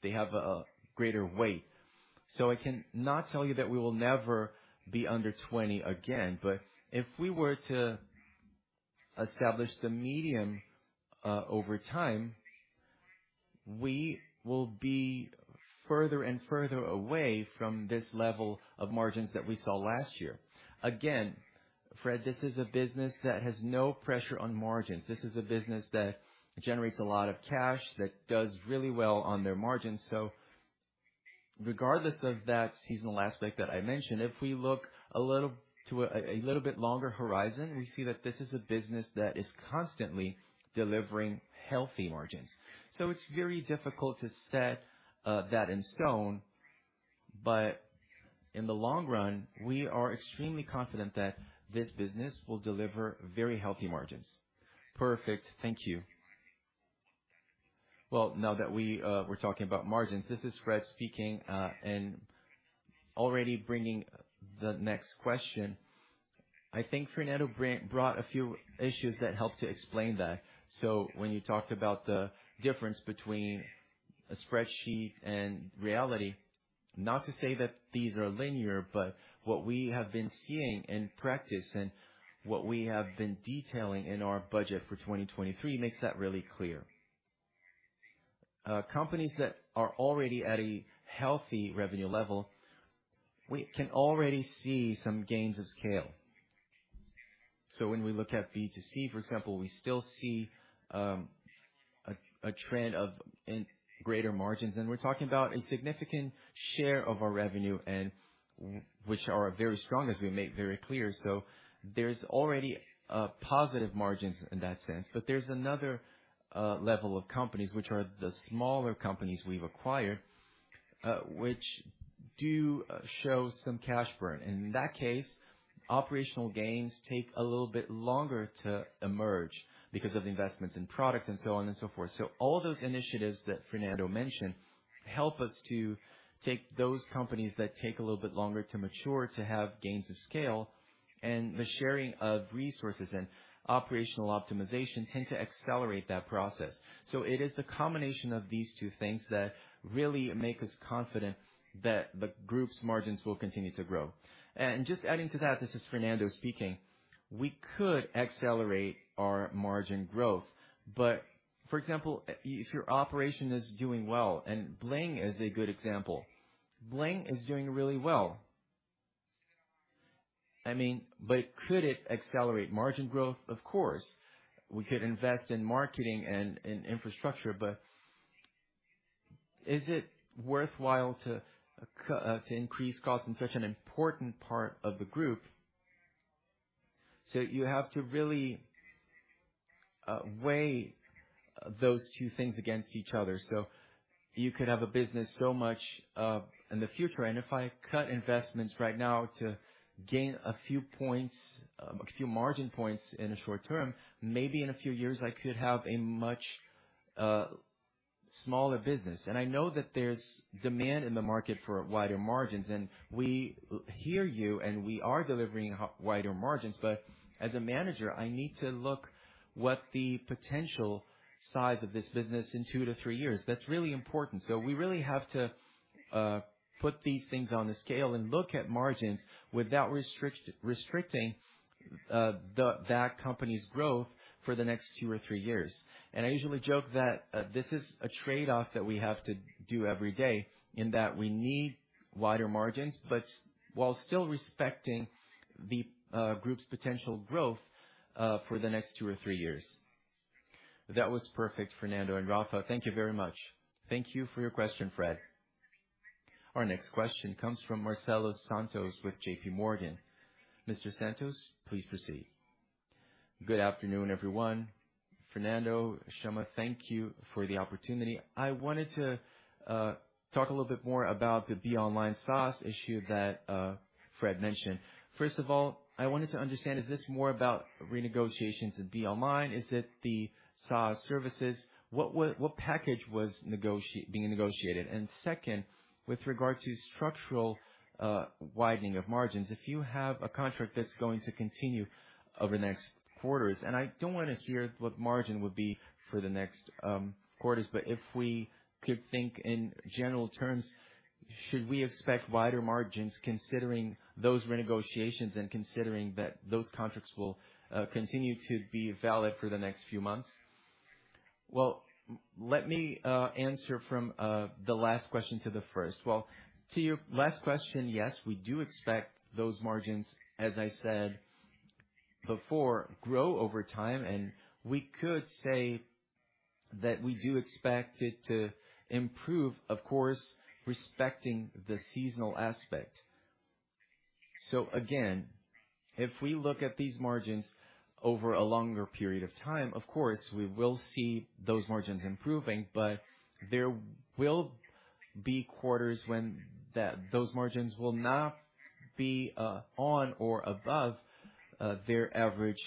they have a greater weight. I cannot tell you that we will never be under 20% again. If we were to establish the medium over time, we will be further and further away from this level of margins that we saw last year. Again, Fred, this is a business that has no pressure on margins. This is a business that generates a lot of cash, that does really well on their margins. Regardless of that seasonal aspect that I mentioned, if we look a little bit longer horizon, we see that this is a business that is constantly delivering healthy margins. It's very difficult to set that in stone. In the long run, we are extremely confident that this business will deliver very healthy margins. Perfect. Thank you. Well, now that we're talking about margins, this is Fred speaking, and already bringing the next question. I think Fernando brought a few issues that helped to explain that. When you talked about the difference between a spreadsheet and reality, not to say that these are linear, but what we have been seeing in practice and what we have been detailing in our budget for 2023 makes that really clear. Companies that are already at a healthy revenue level, we can already see some gains of scale. When we look at B2C, for example, we still see a trend of increasing margins, and we're talking about a significant share of our revenue which are very strong as we make very clear. There's already positive margins in that sense. But there's another level of companies, which are the smaller companies we've acquired, which do show some cash burn. In that case, operational gains take a little bit longer to emerge because of investments in product and so on and so forth. All those initiatives that Fernando mentioned help us to take those companies that take a little bit longer to mature, to have gains of scale, and the sharing of resources and operational optimization tend to accelerate that process. It is the combination of these two things that really make us confident that the group's margins will continue to grow. Just adding to that, this is Fernando speaking. We could accelerate our margin growth. For example, if your operation is doing well and Bling is a good example, Bling is doing really well. I mean, could it accelerate margin growth? Of course. We could invest in marketing and infrastructure, but is it worthwhile to increase costs in such an important part of the group? You have to really weigh those two things against each other. You could have a business so much in the future, and if I cut investments right now to gain a few points, a few margin points in the short term, maybe in a few years, I could have a much smaller business. I know that there's demand in the market for wider margins, and we hear you, and we are delivering wider margins. As a manager, I need to look what the potential size of this business in two to 3 years, that's really important. We really have to put these things on the scale and look at margins without restricting that company's growth for the next two or three years. I usually joke that this is a trade-off that we have to do every day, in that we need wider margins, but while still respecting the group's potential growth for the next 2 or 3 years. That was perfect, Fernando and Rafa. Thank you very much. Thank you for your question, Fred. Our next question comes from Marcelo Santos with JPMorgan. Mr. Santos, please proceed. Good afternoon, everyone. Fernando, Chamas, thank you for the opportunity. I wanted to talk a little bit more about the BeOnline SaaS issue that Fred mentioned. First of all, I wanted to understand, is this more about renegotiations in BeOnline? Is it the SaaS services? What package was being negotiated? Second, with regard to structural widening of margins, if you have a contract that's going to continue over the next quarters, and I don't wanna hear what margin would be for the next quarters, but if we could think in general terms, should we expect wider margins considering those renegotiations and considering that those contracts will continue to be valid for the next few months? Well, let me answer from the last question to the first. Well, to your last question, yes, we do expect those margins, as I said before, grow over time, and we could say that we do expect it to improve, of course, respecting the seasonal aspect. Again, if we look at these margins over a longer period of time, of course, we will see those margins improving, but there will be quarters when those margins will not be on or above their average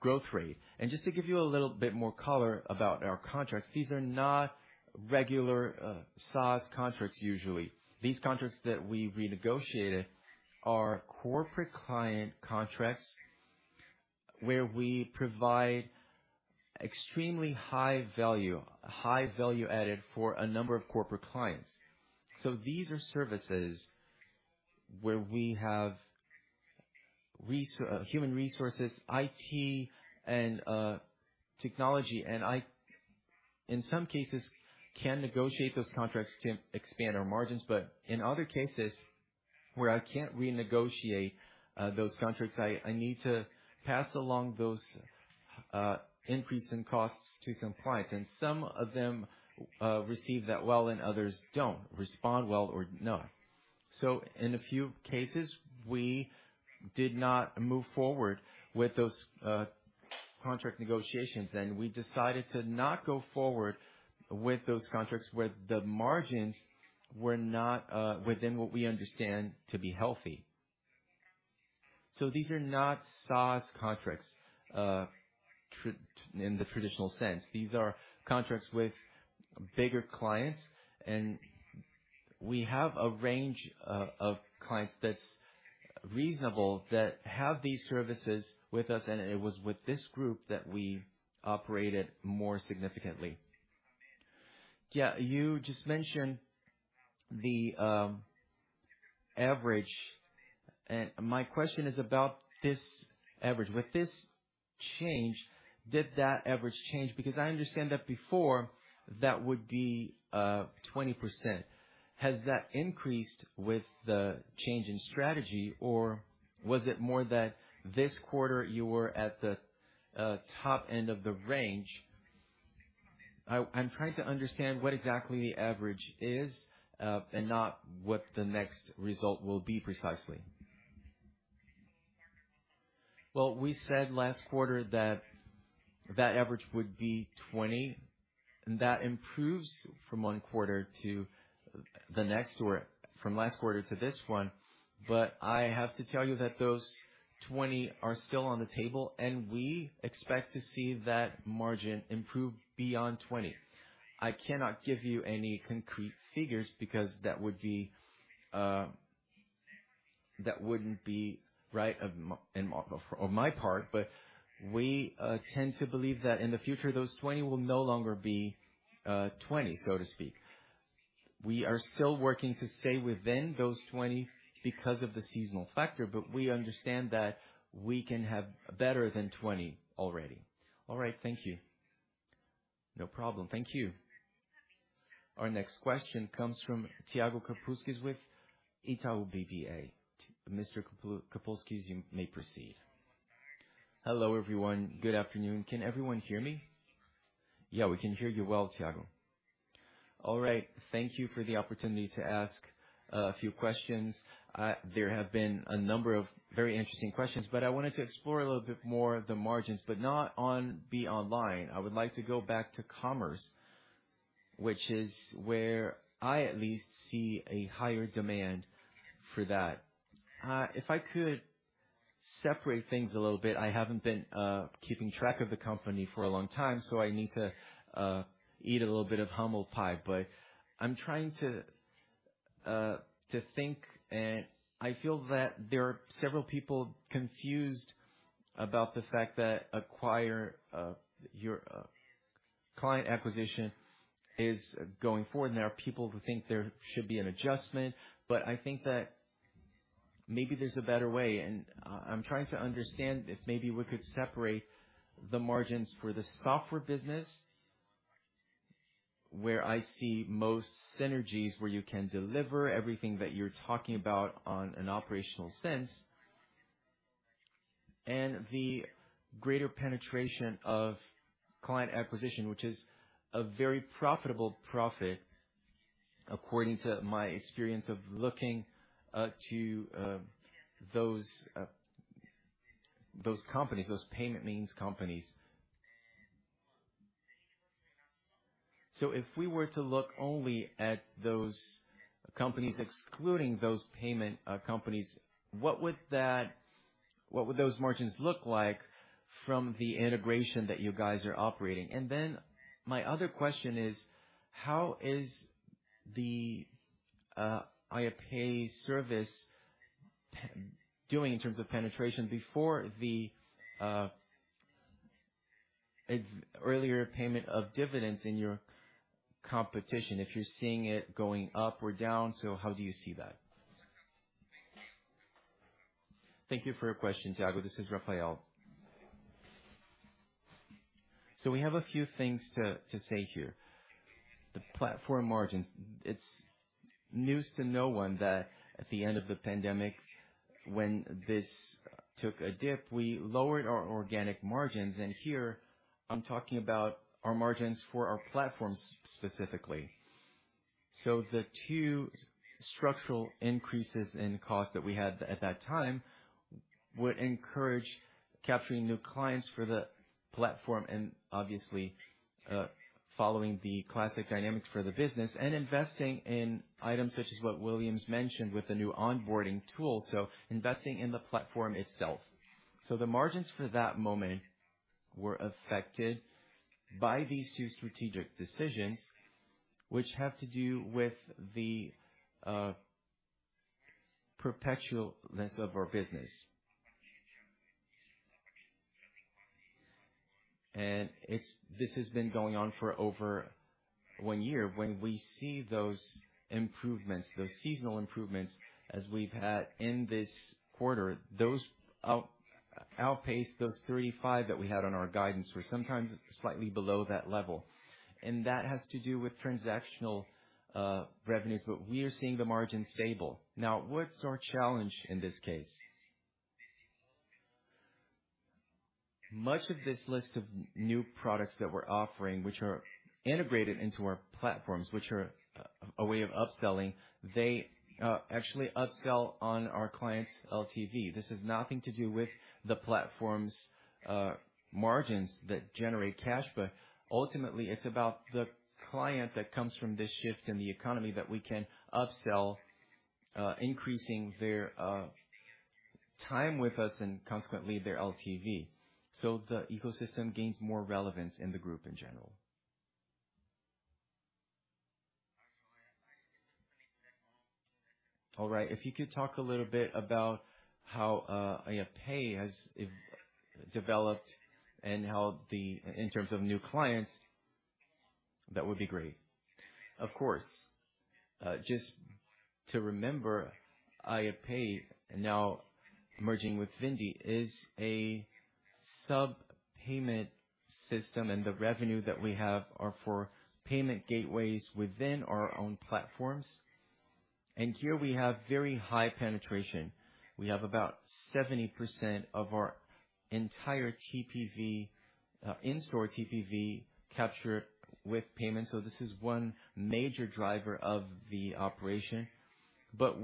growth rate. Just to give you a little bit more color about our contracts, these are not regular SaaS contracts usually. These contracts that we renegotiated are corporate client contracts where we provide extremely high value, high value added for a number of corporate clients. These are services where we have human resources, IT and technology, and in some cases can negotiate those contracts to expand our margins, but in other cases where I can't renegotiate those contracts, I need to pass along those increase in costs to some clients. Some of them receive that well, and others don't respond well or no. In a few cases, we did not move forward with those contract negotiations, and we decided to not go forward with those contracts where the margins were not within what we understand to be healthy. These are not SaaS contracts in the traditional sense. These are contracts with bigger clients, and we have a range of clients that's reasonable that have these services with us, and it was with this group that we operated more significantly. Yeah, you just mentioned the average. My question is about this average. With this change, did that average change? Because I understand that before that would be 20%. Has that increased with the change in strategy, or was it more that this quarter you were at the top end of the range? I'm trying to understand what exactly the average is, and not what the next result will be precisely. Well, we said last quarter that that average would be 20%, and that improves from one quarter to the next or from last quarter to this one. I have to tell you that those 20% are still on the table, and we expect to see that margin improve beyond 20%. I cannot give you any concrete figures because that would be that wouldn't be right on my part. We tend to believe that in the future those 20% will no longer be 20%, so to speak. We are still working to stay within those 20% because of the seasonal factor, but we understand that we can have better than 20% already. All right. Thank you. No problem. Thank you. Our next question comes from Thiago Kapulskis with Itaú BBA. Mr. Kapulskis, you may proceed. Hello, everyone. Good afternoon. Can everyone hear me? Yeah, we can hear you well, Thiago. All right. Thank you for the opportunity to ask a few questions. There have been a number of very interesting questions, but I wanted to explore a little bit more the margins, but not on BeOnline. I would like to go back to commerce, which is where I at least see a higher demand for that. If I could separate things a little bit. I haven't been keeping track of the company for a long time, so I need to eat a little bit of humble pie. I'm trying to think, and I feel that there are several people confused about the fact that your client acquisition is going forward, and there are people who think there should be an adjustment. I think that maybe there's a better way. I'm trying to understand if maybe we could separate the margins for the software business, where I see most synergies, where you can deliver everything that you're talking about on an operational sense, and the greater penetration of client acquisition, which is a very profitable profit, according to my experience of looking to those companies, those payment means companies. If we were to look only at those companies, excluding those payment companies, what would those margins look like from the integration that you guys are operating? And then my other question is, how is the Yapay service doing in terms of penetration before the earlier payment of dividends in your competition? If you're seeing it going up or down. How do you see that? Thank you for your question, Thiago. This is Rafael. We have a few things to say here. The platform margins. It's news to no one that at the end of the pandemic, when this took a dip, we lowered our organic margins. Here I'm talking about our margins for our platforms specifically. The two structural increases in cost that we had at that time would encourage capturing new clients for the platform and obviously, following the classic dynamics for the business and investing in items such as what Williams mentioned with the new onboarding tool. Investing in the platform itself. The margins for that moment were affected by these two strategic decisions which have to do with the perpetuity of our business. This has been going on for over one year. When we see those improvements, those seasonal improvements as we've had in this quarter, those outpace those 35% that we had on our guidance were sometimes slightly below that level. That has to do with transactional revenues. We are seeing the margin stable. Now, what's our challenge in this case? Much of this list of new products that we're offering, which are integrated into our platforms, which are a way of upselling, they actually upsell on our clients' LTV. This has nothing to do with the platform's margins that generate cash, but ultimately it's about the client that comes from this shift in the economy that we can upsell, increasing their time with us and consequently their LTV. The ecosystem gains more relevance in the group in general. Alright, If you could talk a little bit about how Yapay has developed and how in terms of new clients, that would be great. Of course. Just to remember, Yapay now merging with Vindi is a SaaS payment system, and the revenue that we have are for payment gateways within our own platforms. Here we have very high penetration. We have about 70% of our entire TPV, in-store TPV captured with payment. This is one major driver of the operation.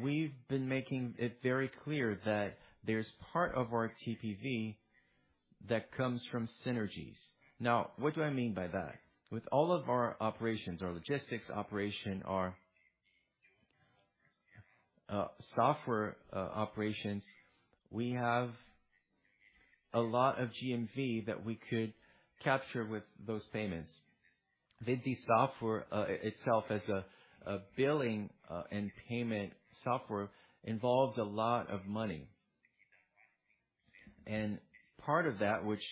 We've been making it very clear that there's part of our TPV that comes from synergies. Now, what do I mean by that? With all of our operations, our logistics operation, our software operations, we have a lot of GMV that we could capture with those payments. Vindi software itself as a billing and payment software involves a lot of money. And part of that, which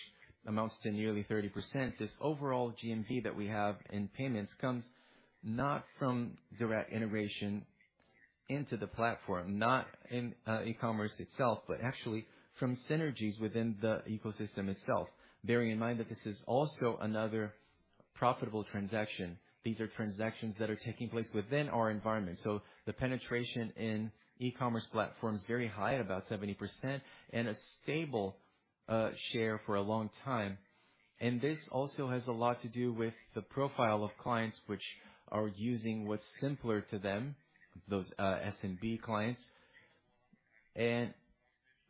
amounts to nearly 30%, this overall GMV that we have in payments comes not from direct integration into the platform, not in e-commerce itself, but actually from synergies within the ecosystem itself. Bearing in mind that this is also another profitable transaction. These are transactions that are taking place within our environment. The penetration in e-commerce platform is very high at about 70% and a stable, share for a long time, and this also has a lot to do with the profile of clients which are using what's simpler to them, those, SMB clients.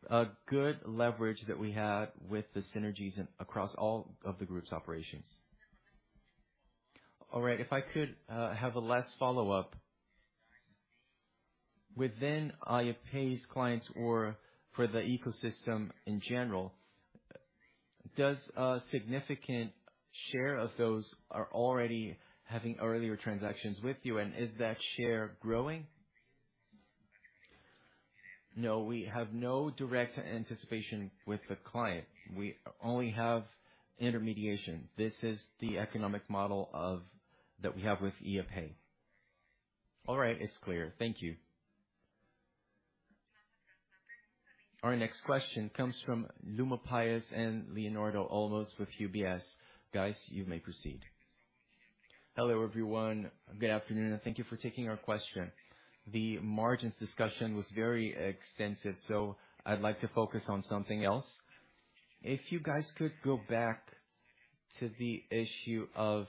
A good leverage that we had with the synergies across all of the group's operations. All right, if I could have a last follow-up. Within Yapay's clients or for the ecosystem in general, does a significant share of those are already having earlier transactions with you? And is that share growing? No, we have no direct anticipation with the client. We only have intermediation. This is the economic model that we have with Yapay. All right, it's clear. Thank you. Our next question comes from Luma Pires and Leonardo Olmos with UBS. Guys, you may proceed. Hello, everyone. Good afternoon, and thank you for taking our question. The margins discussion was very extensive, I'd like to focus on something else. If you guys could go back to the issue of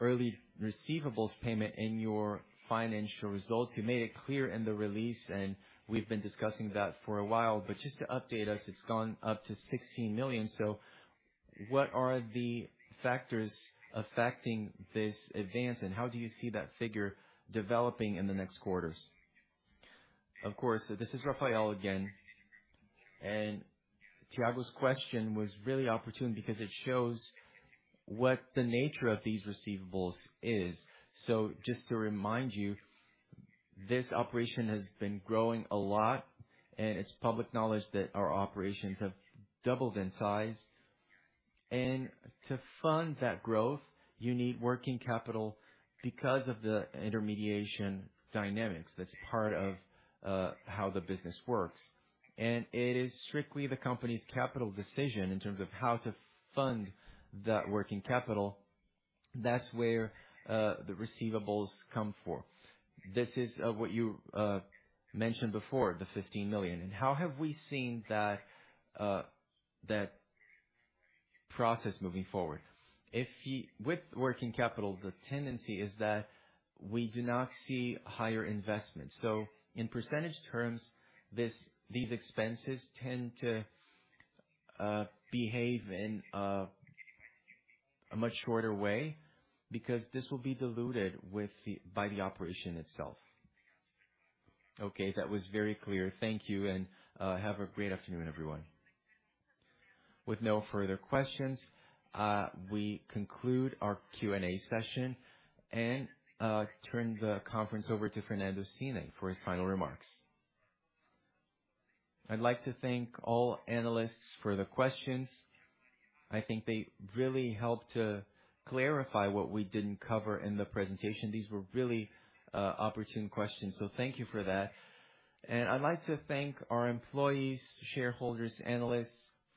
early receivables payment in your financial results. You made it clear in the release, and we've been discussing that for a while, but just to update us, it's gone up to 16 million. What are the factors affecting this advance, and how do you see that figure developing in the next quarters? Of course. This is Rafael again. Thiago's question was really opportune because it shows what the nature of these receivables is. Just to remind you, this operation has been growing a lot. It's public knowledge that our operations have doubled in size. To fund that growth, you need working capital because of the intermediation dynamics. That's part of how the business works. It is strictly the company's capital decision in terms of how to fund that working capital. That's where the receivables come for. This is what you mentioned before, the 15 million. How have we seen that process moving forward? With working capital, the tendency is that we do not see higher investment. In percentage terms, these expenses tend to behave in a much slower way because this will be diluted by the operation itself. Okay. That was very clear. Thank you. Have a great afternoon, everyone. With no further questions, we conclude our Q&A session and turn the conference over to Fernando Cirne for his final remarks. I'd like to thank all analysts for the questions. I think they really helped to clarify what we didn't cover in the presentation. These were really opportune questions, so thank you for that. I'd like to thank our employees, shareholders, analysts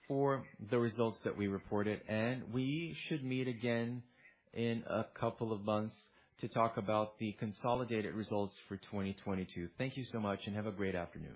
for the results that we reported. We should meet again in a couple of months to talk about the consolidated results for 2022. Thank you so much, and have a great afternoon.